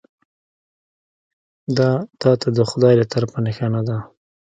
دا تا ته د خدای له طرفه نښانه ده .